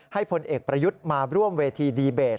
พลเอกประยุทธ์มาร่วมเวทีดีเบต